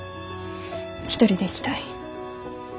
一人で行きたい。